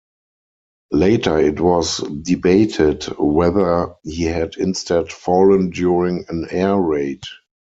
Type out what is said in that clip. Later it was debated whether he had instead fallen during an air raid.